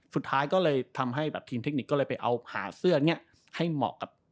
สุดท้ายก็เลยทำให้แบบทีมเทคนิคก็เลยไปเอาหาเสื้อนี้ให้เหมาะกับ